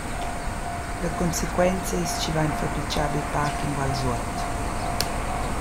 La consequenza es chi vain fabrichà be pac in Val Suot.